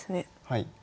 はい。